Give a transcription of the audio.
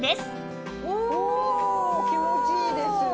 おお気持ちいいです。